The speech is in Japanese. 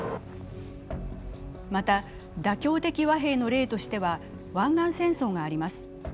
また、妥協的和平の例としては湾岸戦争があります。